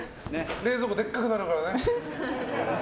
冷蔵庫でっかくなるからね。